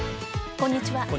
こんにちは。